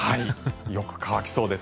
よく乾きそうです。